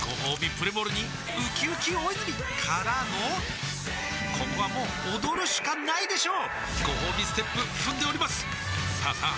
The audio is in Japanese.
プレモルにうきうき大泉からのここはもう踊るしかないでしょうごほうびステップ踏んでおりますさあさあ